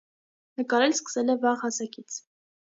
Նկարել սկսել է վաղ հասակից։